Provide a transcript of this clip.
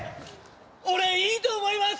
俺いいと思います